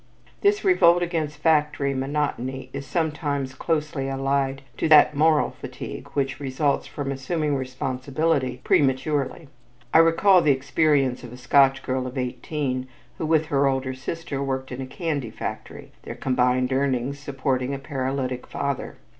This revolt against factory monotony is sometimes closely allied to that "moral fatigue" which results from assuming responsibility prematurely. I recall the experience of a Scotch girl of eighteen who, with her older sister, worked in a candy factory, their combined earnings supporting a paralytic father.